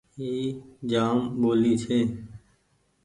اي جآم ٻولي ڇي ۔